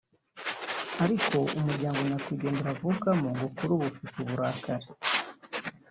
ariko umuryango nyakwigendera avukamo ngo kuri ubu ufite uburakari